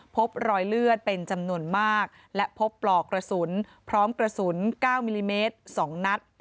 พบรอยเลือดเป็นจำนวนมากและพบปลอกกระสุนพร้อมกระสุน๙มิลลิเมตร๒นัด